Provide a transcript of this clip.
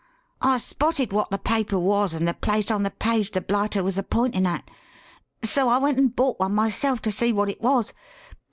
I spotted wot the paper was and the place on the page the blighter was a pointin' at, so I went and bought one myself to see wot it was.